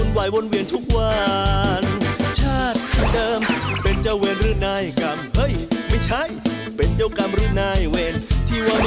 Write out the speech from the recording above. สวัสดีครับ